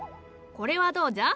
これはどうじゃ？